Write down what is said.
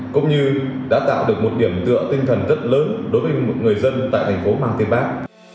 cũng như đã tạo được một điểm tựa tinh thần rất lớn đối với một người dân tại thành phố mang tiên bác